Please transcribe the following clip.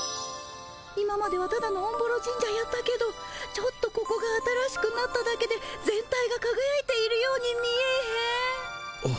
今まではただのおんぼろ神社やったけどちょっとここが新しくなっただけで全体がかがやいているように見えへん？